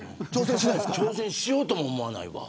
挑戦しようとも思わない。